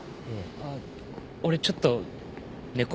あっ俺ちょっと猫カフェ。